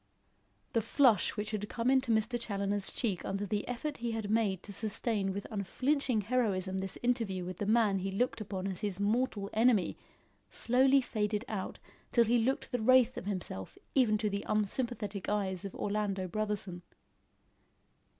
The flush which had come into Mr. Challoner's cheek under the effort he had made to sustain with unflinching heroism this interview with the man he looked upon as his mortal enemy, slowly faded out till he looked the wraith of himself even to the unsympathetic eyes of Orlando Brotherson.